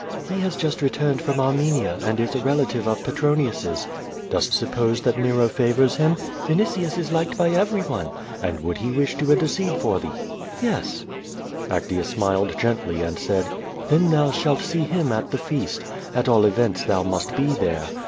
"He has just returned from Armenia, and is a relative of Petronius's." "Dost suppose that Nero favors him?" '^initius is liked by every one." "And would he wish to intercede for thee?" ^^es." Actea smiled gently, and said: "Then thou shalt see him at the feast. At all events, thou must be there.